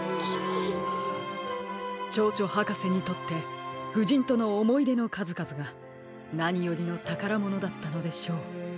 チョウチョはかせにとってふじんとのおもいでのかずかずがなによりのたからものだったのでしょう。